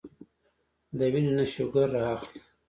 د وينې نه شوګر را اخلي